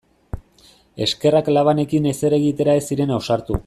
Eskerrak labanekin ezer egitera ez ziren ausartu.